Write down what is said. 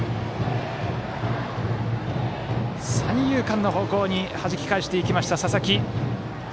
三遊間の方向にはじき返していった佐々木。